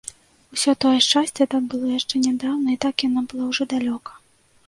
Усё тое шчасце так было яшчэ нядаўна і так яно было ўжо далёка.